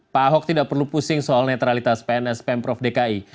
pak ahok tidak perlu pusing soal netralitas pns pemprov dki